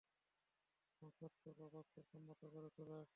এবং সত্য তা বাস্তবসম্মত করে তোলে।